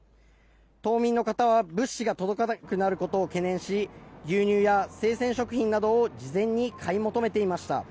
島民の方は物資が届かなくなることを懸念し牛乳や生鮮食品などを事前に買い求めていました。